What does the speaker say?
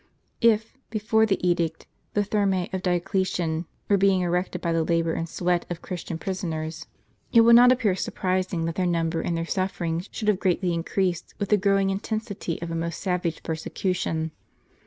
F, before the edict, the Thermae of Dio clesian were being erected by the labor and sweat of Christian prisoners, it will ' not appear surprising, that their number and their sufferings should have greatly increased, with the growing intensity of a most savage persecution.